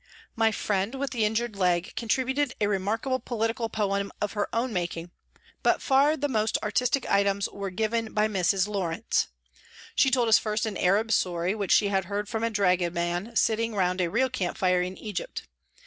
My friend with the injured leg contributed a remarkable political poem of her own making, but far the most artistic items were given by Mrs. Lawrence. She told us first an Arab story which she had heard from a Dragoman sitting round a real camp fire in Egypt.